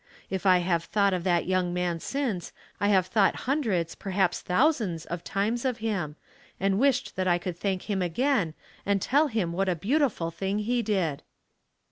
If I have thought of that young man once I have thought hundreds, perhaps thousands of times of him and wished that I could thank him again and tell him what a beautiful thing he did.